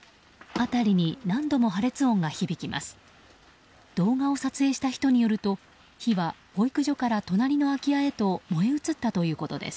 辺りに何度も破裂音が響きます。